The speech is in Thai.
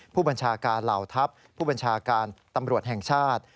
ผู้บัญชาการเหล่าทัพผู้บัญชาการตำรวจแห่งชาติ